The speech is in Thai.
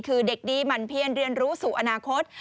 คือเด็กดีหมั่นเพียนเรียนรู้สู่อนาคต